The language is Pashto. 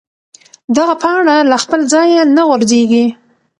دغه پاڼه له خپل ځایه نه غورځېږي.